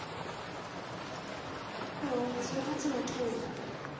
黒１８の九。